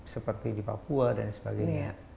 seperti di papua dan sebagainya